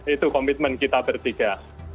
itu komitmen kita bertiga